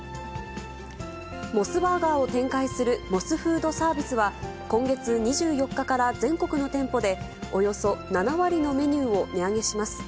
モスバーガーを展開するモスフードサービスは、今月２４日から全国の店舗で、およそ７割のメニューを値上げします。